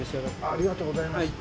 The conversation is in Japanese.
ありがとうございます。